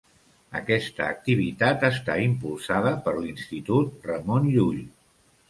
Aquesta activitat està impulsada per l'Institut Ramon Llull.